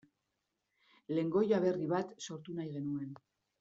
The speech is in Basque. Lengoaia berri bat sortu nahi genuen.